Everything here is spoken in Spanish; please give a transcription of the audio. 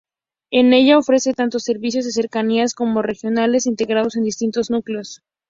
En ella ofrece tanto servicios de cercanías como regionales, integrados en distintos núcleos.